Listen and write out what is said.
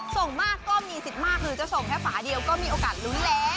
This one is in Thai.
ส่งมากก็มีสิทธิ์มากหรือจะส่งแค่ฝาเดียวก็มีโอกาสลุ้นแล้ว